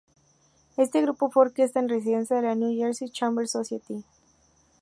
Este grupo fue orquesta en residencia de la "New Jersey Chamber Society".